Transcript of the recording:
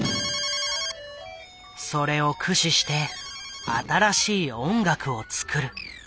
それを駆使して新しい音楽を作る。